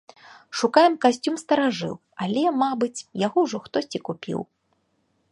Шукаем касцюм-старажыл, але, мабыць, яго ўжо хтосьці купіў.